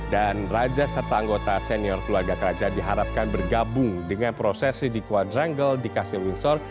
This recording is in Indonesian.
raja serta anggota senior keluarga kerajaan diharapkan bergabung dengan prosesi di quadrangle di kastil windsor